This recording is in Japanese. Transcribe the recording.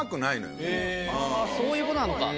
そういうことなのか。